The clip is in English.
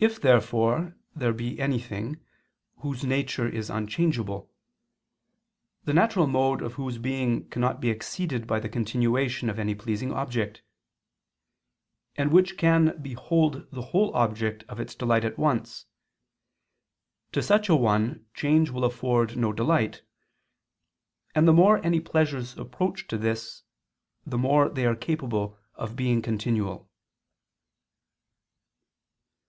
If therefore there be any thing, whose nature is unchangeable; the natural mode of whose being cannot be exceeded by the continuation of any pleasing object; and which can behold the whole object of its delight at once to such a one change will afford no delight. And the more any pleasures approach to this, the more are they capable of being continual.